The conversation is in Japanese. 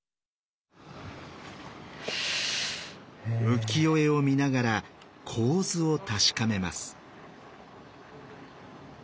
浮世絵を見ながら構図を確かめます。